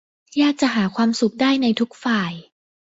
ยากจะหาความสุขได้ในทุกฝ่าย